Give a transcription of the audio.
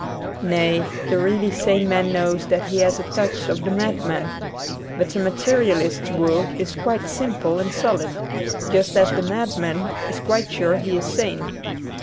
Nay, the really sane man knows that he has a touch of the madman. But the Materialist's world is quite simple and solid, just as the madman is quite sure he is sane.